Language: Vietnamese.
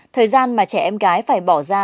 thời gian mà trẻ em gái phải bỏ ra